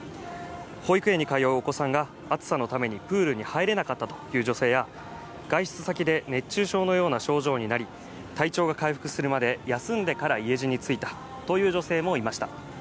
保育園に通うお子さんが暑さのためにプールに入れなかったという女性や、外出先で熱中症のような症状になり、体調が回復するまで休んでから家路についたという女性もいました。